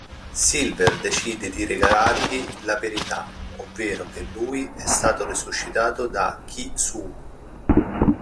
Silver decide di rivelargli la verità, ovvero, che lui è stato resuscitato da Ki-Suu.